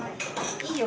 いいよ